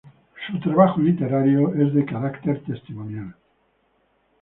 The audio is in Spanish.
Su trabajo literario es de carácter testimonial.